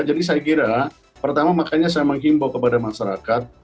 jadi saya kira pertama makanya saya menghimbau kepada masyarakat